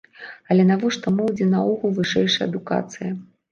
Але навошта моладзі наогул вышэйшая адукацыя?